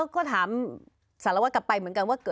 ก็ถามสารวัตรกลับไปเหมือนกันว่า